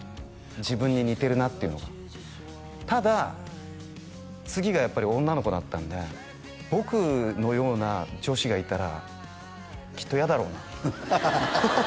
自分に似てるなっていうのがただ次がやっぱり女の子だったんで僕のような女子がいたらきっと嫌だろうな